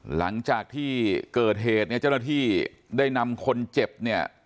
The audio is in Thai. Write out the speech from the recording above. หลังจากที่เกิดเหตุเนี่ยเจ้าหน้าที่ได้นำคนเจ็บเนี่ย